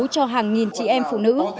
cho hàng nghìn chị em phụ nữ